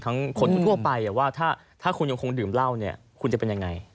ทั้งคนตัวไปอ่ะว่าถ้าคุณคงดื่มเหล้าคุณจะเป็นยังไง